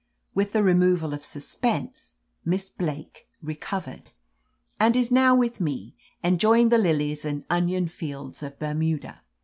With the removal of suspense Miss Blake recovered, and is now with me, enjoying the lilies and onion fields of Bermuda.